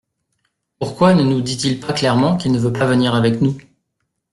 Pourquoi ne nous dit-il pas clairement qu’il ne veut pas venir avec nous ?